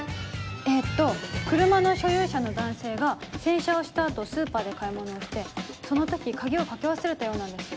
えと車の所有者の男性が洗車をした後スーパーで買い物をしてその時鍵をかけ忘れたようなんです。